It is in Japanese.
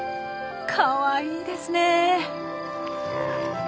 かわいいですね。